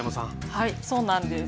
はいそうなんです。